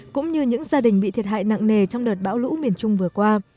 cũng như những gia đình bị thiệt hại nặng nề trong đợt bão lũ miền trung vừa qua